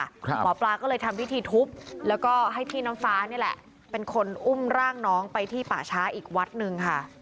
หมอปลาก็เลยทำพิธีทุบแล้วก็ให้พี่น้ำฟ้านี่แหละเป็นคนอุ้มร่างน้องไปที่ป่าช้าอีกวัดหนึ่งค่ะ